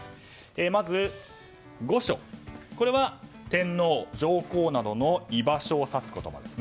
まず、御所これは天皇、上皇などの居場所を指す言葉です。